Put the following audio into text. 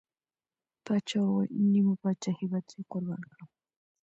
پاچا وويل: نيمه پاچاهي به ترې قربان کړم.